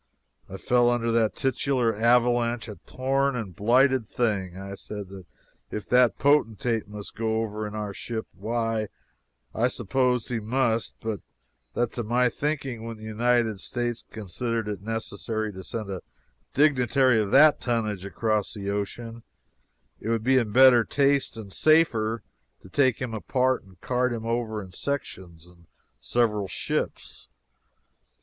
I fell under that titular avalanche a torn and blighted thing. I said that if that potentate must go over in our ship, why, I supposed he must but that to my thinking, when the United States considered it necessary to send a dignitary of that tonnage across the ocean, it would be in better taste, and safer, to take him apart and cart him over in sections in several ships.